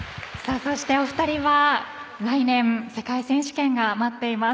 そして、お二人は来年、世界選手権が待っています。